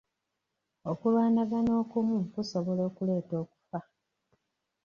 Okulwanagana okumu kusobola okuleeta okufa.